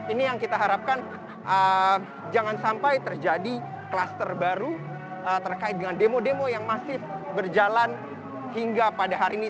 ini yang kita harapkan jangan sampai terjadi klaster baru terkait dengan demo demo yang masih berjalan hingga pada hari ini